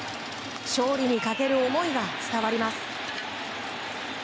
勝利にかける思いが伝わります。